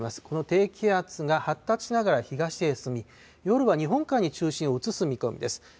この低気圧が発達しながら東へ進み、夜は日本海に中心を移す見込みです。